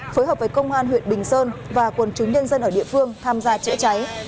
phối hợp với công an huyện bình sơn và quân chúng nhân dân ở địa phương tham gia chữa cháy